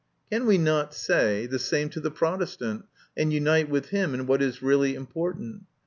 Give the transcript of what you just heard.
Can we not say 138 MY CONFESSION. the same to the Protestant, and unite with him in what is really important?